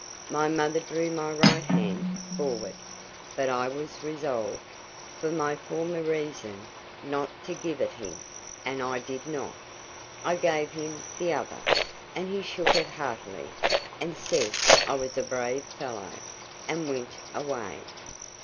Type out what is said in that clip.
My mother drew my right hand forward, but I was resolved, for my former reason, not to give it him, and I did not. I gave him the other, and he shook it heartily, and said I was a brave fellow, and went away.